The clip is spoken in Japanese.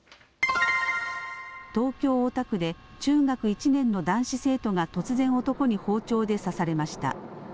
東京大田区で中学１年の男子生徒が突然男に包丁で刺されました。